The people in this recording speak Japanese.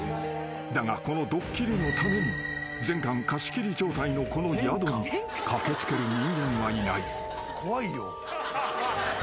［だがこのドッキリのために全館貸し切り状態のこの宿に駆け付ける人間はいない］